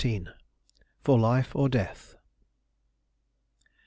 FOR LIFE OR DEATH.